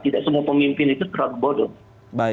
tidak semua pemimpin itu terlalu bodoh